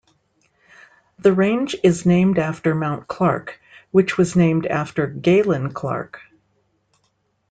The range is named after Mount Clark, which was named after Galen Clark.